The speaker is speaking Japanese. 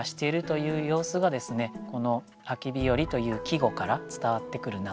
この「秋日和」という季語から伝わってくるなと。